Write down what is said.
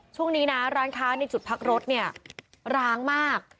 ช่วงนี้นะร้านค้าในจุดพักรถเนี่ยร้างมาก